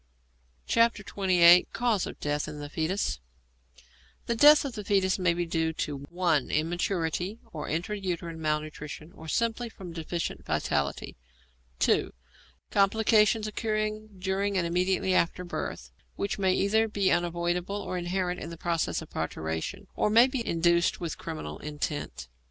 XXVIII. CAUSE OF DEATH IN THE FOETUS The death of the foetus may be due to (1) Immaturity or intra uterine malnutrition, or simply from deficient vitality; (2) complications occurring during or immediately after birth, which may either be unavoidable or inherent in the process of parturition, or may be induced with criminal intent.